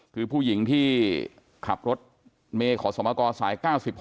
คือผู้หญิงที่ขับรถเมย์ขอสมกสาย๙๖